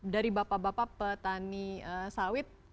dari bapak bapak petani sawit